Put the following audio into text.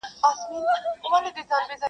دولت وویل تر علم زه مشهور یم-